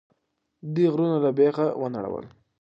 دوی غرونه له بیخه ونړول.